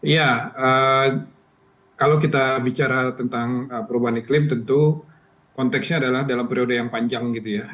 ya kalau kita bicara tentang perubahan iklim tentu konteksnya adalah dalam periode yang panjang gitu ya